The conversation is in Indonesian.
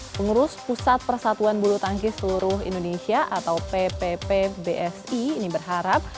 pengurus pusat persatuan bulu tangkis seluruh indonesia atau pppbsi ini berharap